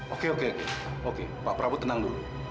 oke pak prabu tenang dulu